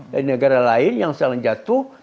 dari negara lain yang selalu jatuh